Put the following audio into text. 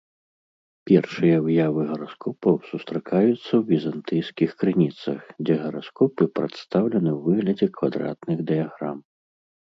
Першыя выявы гараскопаў сустракаюцца ў візантыйскіх крыніцах, дзе гараскопы прадстаўлены ў выглядзе квадратных дыяграм.